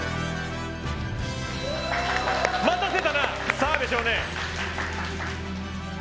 待たせたな、澤部少年！